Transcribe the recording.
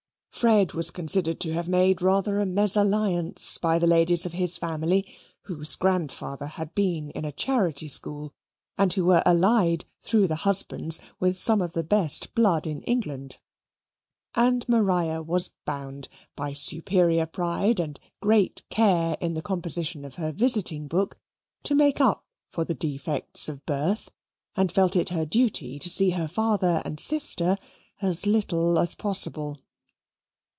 Fred was considered to have made rather a mesalliance by the ladies of his family, whose grandfather had been in a Charity School, and who were allied through the husbands with some of the best blood in England. And Maria was bound, by superior pride and great care in the composition of her visiting book, to make up for the defects of birth, and felt it her duty to see her father and sister as little as possible.